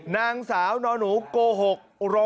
นางสาวหนอนูโกหก๑๐๐